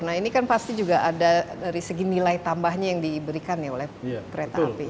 nah ini kan pasti juga ada dari segi nilai tambahnya yang diberikan ya oleh kereta api